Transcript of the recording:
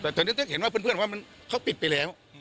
แต่ตอนนี้ต้องเห็นว่าเพื่อนว่าเขาปิดไปแล้ว